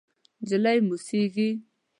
نجلۍ موسېږي…